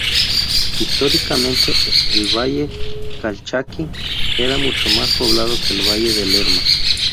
Históricamente, el Valle Calchaquí era mucho más poblado que el Valle de Lerma.